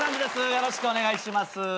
よろしくお願いします。